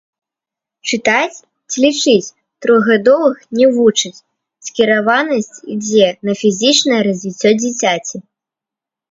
Чытаць ці лічыць трохгадовых не вучаць, скіраванасць ідзе на фізічнае развіццё дзіцяці.